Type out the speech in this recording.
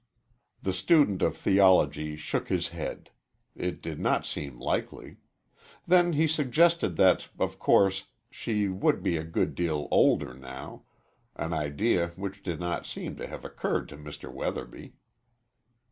The student of theology shook his head. It did not seem likely. Then he suggested that, of course, she would be a good deal older now an idea which did not seem to have occurred to Mr. Weatherby.